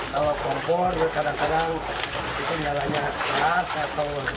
kalau kompor kadang kadang itu nyalanya keras atau bisa dihidupkan gitu